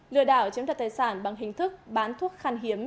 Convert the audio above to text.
lừa đảo chiếm đoạt tài sản bằng hình thức bán thuốc khăn hiếm